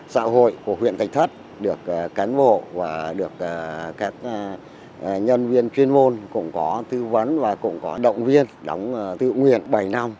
xã hội của huyện thạch thất được cán bộ và được các nhân viên chuyên môn cũng có tư vấn và cũng có động viên đóng tự nguyện bảy năm